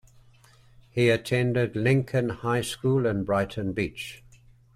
He attended Lincoln High School in Brighton Beach.